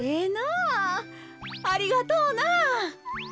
ありがとうな。